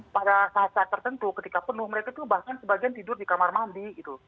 pada saat saat tertentu ketika penuh mereka itu bahkan sebagian tidur di kamar mandi gitu